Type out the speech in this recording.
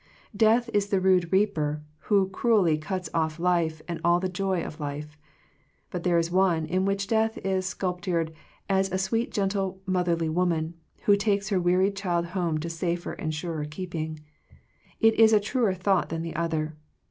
Death is the rude reaper, who cruelly cuts off life and all the joy of life. But there is one in which death is sculptured as a sweet gentle motherly woman, who takes her wearied child home to safer and surer keeping. It is a truer thought than the other.